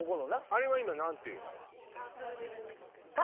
あれは今何て言うの？